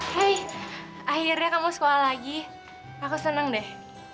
hei akhirnya kamu sekolah lagi aku seneng deh